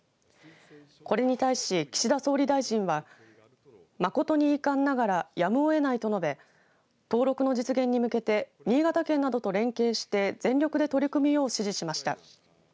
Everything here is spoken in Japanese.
これに対し、岸田総理大臣は誠に遺憾ながらやむをえないと述べ登録の実現に向けて新潟県などと連携して全力で取り組むよう指示しました。